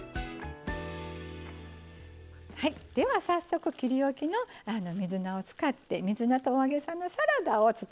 はいでは早速切りおきの水菜を使って水菜とお揚げさんのサラダを作っていきましょう。